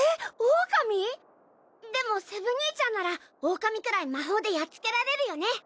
でもセブ兄ちゃんならオオカミくらい魔法でやっつけられるよね